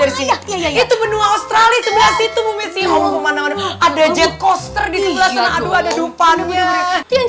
dari sini itu benua australia sebelah situ ada jet coaster di sebelah ada dupanya yang